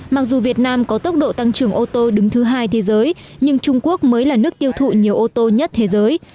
mặc dù việt nam có tốc độ tăng trưởng ô tô đứng thứ hai thế giới nhưng trung quốc mới là nước tiêu thụ nhiều ô tô nhất thế giới